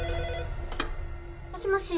もしもし。